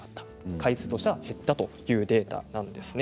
回数としては減ったというデータです。